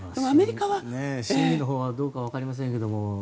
真意のほうはどうか分かりませんけど。